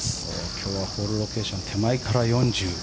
今日はホールロケーション手前から４０。